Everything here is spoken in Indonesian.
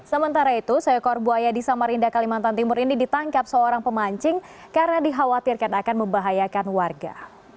sementara itu seekor buaya di samarinda kalimantan timur ini ditangkap seorang pemancing karena dikhawatirkan akan membahayakan warga